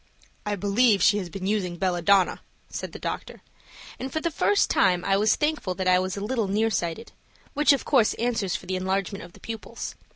"I believe she has been using belladonna," said the doctor, and for the first time I was thankful that I was a little near sighted, which of course answers for the enlargement of the pupils.